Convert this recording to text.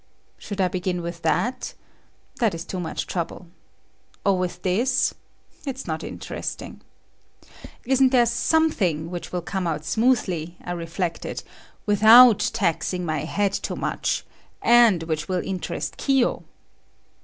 Should I begin with that? That is too much trouble. Or with this? It is not interesting. Isn't there something which will come out smoothly, I reflected, without taxing my head too much, and which will interest Kiyo.